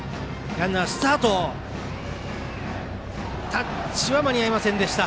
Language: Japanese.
タッチは間に合いませんでした。